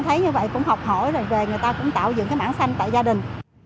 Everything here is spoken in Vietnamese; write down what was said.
thấy như vậy cũng học hỏi rồi về người ta cũng tạo dựng cái mảng xanh tại gia đình